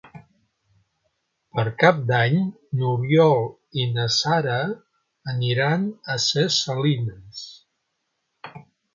Per Cap d'Any n'Oriol i na Sara aniran a Ses Salines.